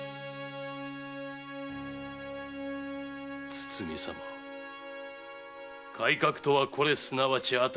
堤様改革とはこれすなわち新しい利権。